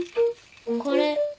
これ。